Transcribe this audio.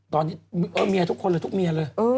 ตอนนี้เมียทุกคนเลยทุกเมียเลย